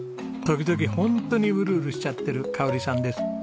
時々ホントにウルウルしちゃってる香織さんです。